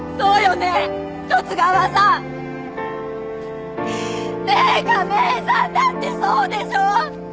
ねえ亀井さんだってそうでしょ？